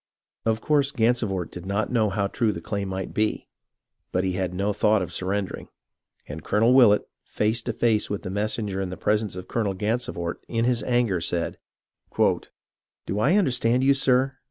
Of course Gansevoort did not know how true the claim might be, but he had no thought of surrendering ; and Colonel Willett, face to face with the messenger in the pres ence of Colonel Gansevoort, in his anger said :" Do I under stand you, sir